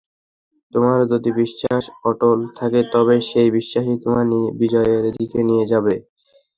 তোমার যদি বিশ্বাস অটল থাকে তবে সেই বিশ্বাসই তোমায় বিজয়ের দিকে নিয়ে যাবে।